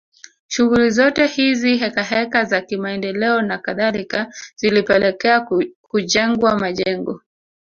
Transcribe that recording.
Shughuli zote hizi hekaheka za kimaendeleo na kadhalika zilipelekea kujengwa majengo